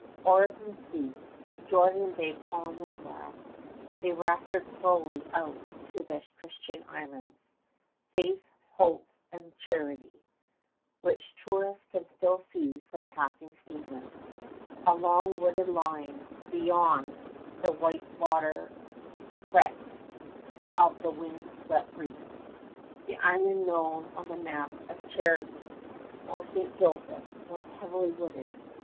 Oars and sweeps, Georgian Bay calm as glass, they rafted slowly out to the Christian Islands, Faith, Hope, and Charity, which tourists can still see from passing steamers, a long wooded line beyond the white water fret of the wind swept reefs. The island known on the map as Charity, or St. Joseph, was heavily wooded.